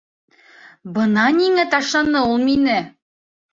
Бына ниңә ташланы ул мине!